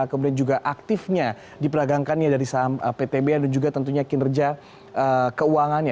kemudian juga aktifnya diperagangkannya dari saham ptba dan juga tentunya kinerja keuangannya